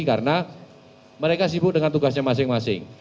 karena mereka sibuk dengan tugasnya masing masing